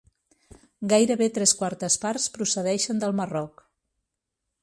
Gairebé tres quartes parts procedeixen del Marroc.